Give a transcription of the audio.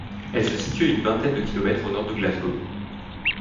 Elle se situe à une vingtaine de kilomètres au nord de Glasgow.